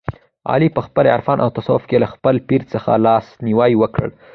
علي په عرفان او تصوف کې له خپل پیر څخه لاس نیوی وکړ.